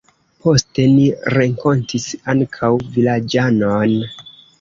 Poste ni renkontis ankaŭ vilaĝanon.